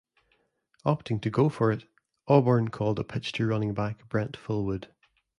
Opting to go for it, Auburn called a pitch to running back Brent Fullwood.